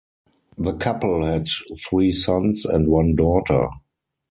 The couple had three sons and one daughter.